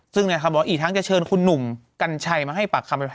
ซึ่งนะครับบอกอีกทั้งจะเชิญคุณหนุ่มกัญชัยมาให้ปากคำ